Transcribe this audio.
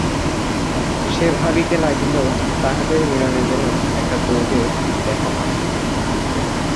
সে ভাবিতে লাগিল, তাহাদের মিলনে যেন একটা দৈবের ব্যাঘাত আছে।